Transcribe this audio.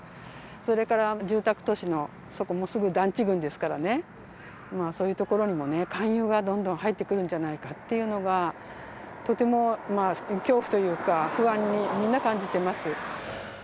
それから、住宅都市の、そこもすぐ団地群ですからね、そういう所にもね、勧誘がどんどん入ってくるんじゃないかっていうのが、とても恐怖というか、不安に、みんな感じてます。